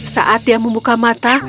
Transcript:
saat dia membuka mata